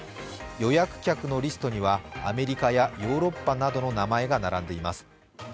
予約客のリストにはアメリカやヨーロッパなどの名前が並んでいます。